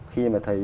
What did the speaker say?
khi mà thấy